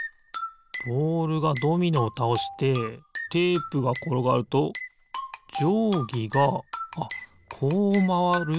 ボールがドミノをたおしてテープがころがるとじょうぎがあっこうまわる？